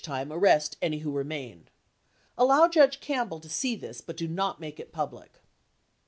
time arrest any who remain. Allow Judge Campbell to Lincoln see this, but do not make it public.